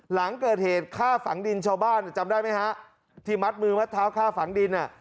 หลังเกิดเหตุฆ่าฝังดินชาวบ้านจำได้ไหมฮะที่มัดมือมัดเท้าฆ่าฝังดินอ่ะ